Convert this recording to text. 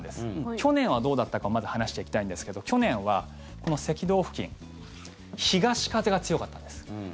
去年はどうだったかをまず話していきたいんですけど去年は、この赤道付近東風が強かったんです。